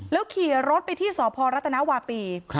ขี่รถไปที่สพรัฐนาวาปี